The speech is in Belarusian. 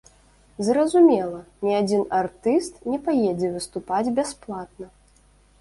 Зразумела, ні адзін артыст не паедзе выступаць бясплатна.